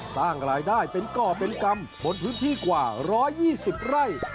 สร้างรายได้เป็นก่อเป็นกรรมบนพื้นที่กว่า๑๒๐ไร่